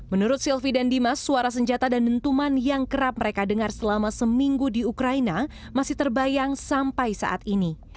menurut sylvi dan dimas suara senjata dan dentuman yang kerap mereka dengar selama seminggu di ukraina masih terbayang sampai saat ini